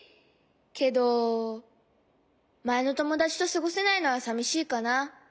けどまえのともだちとすごせないのはさみしいかな。